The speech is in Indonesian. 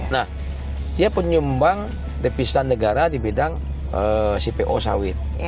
nah dia penyumbang depisan negara di bidang cpo sawit